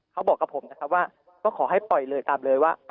เขาบอกกับผมนะครับว่าก็ขอให้ปล่อยเลยตามเลยว่า